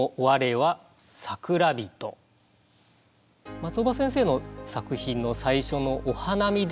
松尾葉先生の作品の最初の「お花見です」というところ